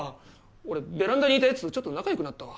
俺ベランダにいた奴とちょっと仲良くなったわ。